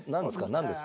何ですか？